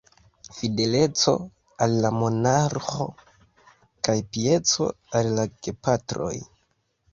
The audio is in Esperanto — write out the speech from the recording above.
Fideleco al la monarĥo kaj pieco al la gepatroj.